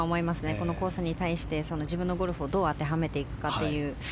このコースに対して自分のゴルフをどう当てはめていくかという。